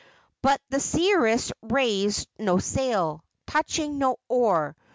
But the seeress raised no sail, touched no oar.